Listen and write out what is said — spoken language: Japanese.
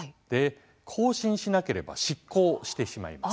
更新しなければ失効してしまいます。